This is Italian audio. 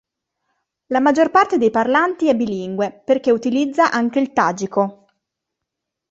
La maggior parte dei parlanti è bilingue perché utilizza anche il tagico.